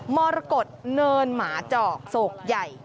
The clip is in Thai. มรกฏเนินหมาจอกโศกใหญ่